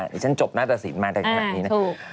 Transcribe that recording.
ดิฉันจบหน้าตระสิทธิ์มากแบบนี้นะ